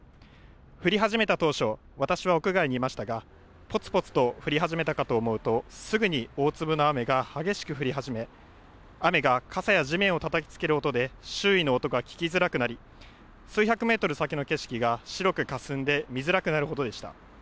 降り始めた当初、私は屋外にいましたがぽつぽつと降り始めたかと思うとすぐに大粒の雨が激しく降り始め、雨が傘や地面をたたきつける音で周囲の音が聞きづらくなり数百メートル先の景色が白くかすんで見づらくなるほどでした。